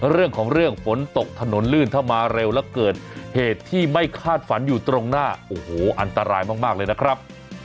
เรื่องของเรื่องฝนตกถนนลื่นถ้ามาเร็วแล้วเกิดเหตุที่ไม่คาดฝันอยู่ตรงหน้าโอ้โหอันตรายมากเลยนะครับ